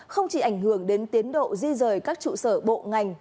không chỉ ảnh hưởng đến tiến độ di rời các trụ sở bộ ngành